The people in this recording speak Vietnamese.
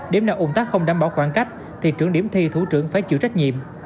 điểm nào ủng tác không đảm bảo khoảng cách thì trưởng điểm thi thủ trưởng phải chịu trách nhiệm